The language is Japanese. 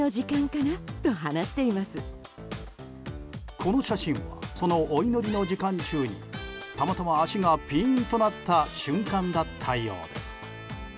この写真はそのお祈りの時間中にたまたま足がピーンとなった瞬間だったようです。